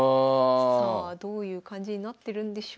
さあどういう感じになってるんでしょうか。